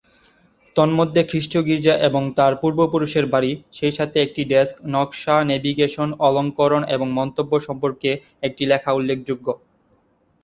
তন্মধ্যে খ্রিস্টীয় গীর্জা এবং তার পূর্বপুরুষের বাড়ি, সেই সাথে একটি ডেস্ক নকশা নেভিগেশন অলঙ্করণ এবং মন্তব্য সম্পর্কে একটি লেখা উল্লেখযোগ্য।